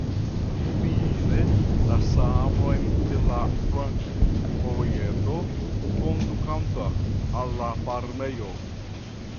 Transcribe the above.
Fine la sablon de la flankvojeto kondukanta al la farmejo.